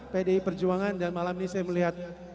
pdi perjuangan dan malam ini saya melihat